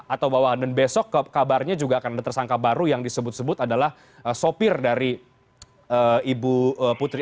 atau bahwa dan besok kabarnya juga akan ada tersangka baru yang disebut sebut adalah sopir dari ibu putri